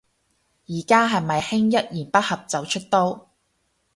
而家係咪興一言不合就出刀